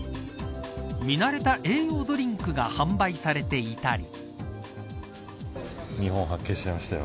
見慣れた栄養ドリンクが販売されていたり。